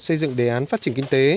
xây dựng đề án phát triển kinh tế